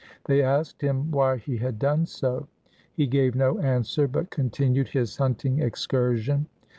They asked him why he had done so. He gave no answer, but con tinued his hunting excursion.